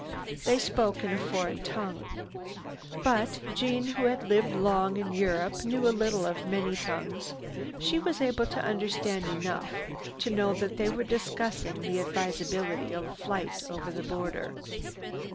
They spoke in a foreign tongue. But Jeanne, who had lived long in Europe, knew a little of many tongues. She was able to understand enough to know that they were discussing the advisability of flight over the border.